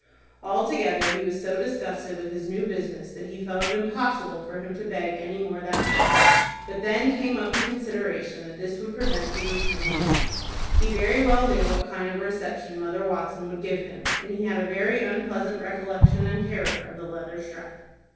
Altogether he was so disgusted with his new business, that he felt it impossible for him to beg any more that night. But then came up the consideration that this would prevent his returning home. He very well knew what kind of a reception Mother Watson would give him, and he had a very unpleasant recollection and terror of the leather strap.